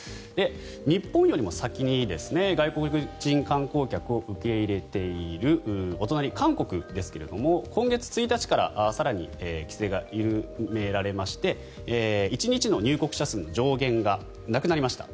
日本よりも先に外国人観光客を受け入れているお隣、韓国ですけども今月１日から更に規制が緩められまして１日の入国者数の上限がなくなりました。